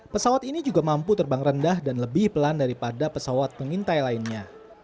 pesawat ini juga mampu terbang rendah dan lebih pelan daripada pesawat pengintai lainnya